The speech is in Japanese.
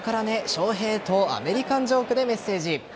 ショウヘイとアメリカンジョークでメッセージ。